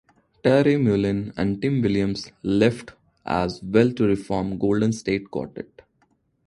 Terry Mullin and Tim Williams left as well to reform Golden State Quartet.